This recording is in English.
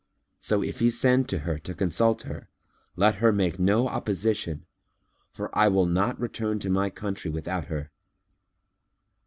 So, if he send to her to consult her, let her make no opposition; for I will not return to my country without her."